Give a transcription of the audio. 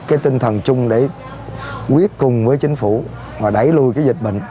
cái tinh thần chung để quyết cùng với chính phủ và đẩy lui cái dịch bệnh